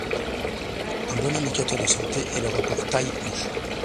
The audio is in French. Un bon indicateur de santé est le rapport taille-hanche.